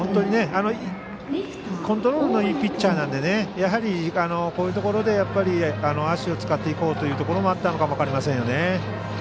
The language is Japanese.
コントロールのいいピッチャーなのでやはりこういうところで足を使っていこうというところもあったのかも分かりませんよね。